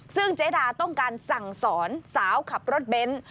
ซึ่งเจดาต้องการสั่งสอนสาวขับรถเบนท์